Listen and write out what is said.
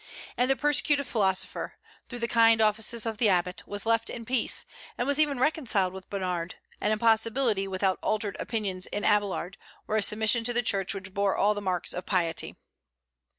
And the persecuted philosopher, through the kind offices of the abbot, was left in peace, and was even reconciled with Bernard, an impossibility without altered opinions in Abélard, or a submission to the Church which bore all the marks of piety.